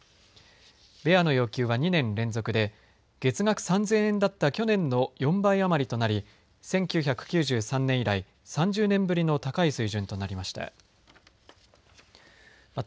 ベアの要求は２年連続で月額３０００円だった去年の４倍余りとなり１９９３年以来３０年ぶりの高い水準となりました。